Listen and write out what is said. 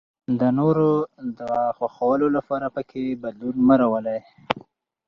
د نورو د خوښولو لپاره پکې بدلون مه راولئ.